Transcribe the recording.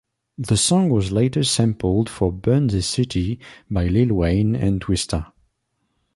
The song was later sampled for "Burn This City" by Lil Wayne and Twista.